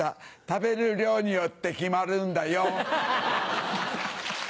食べる量によって決まるんだよ。